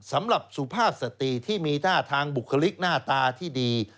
สำหรับสุภาพสตรีที่มีท่าทางบุคลิกหน้าตาที่ดี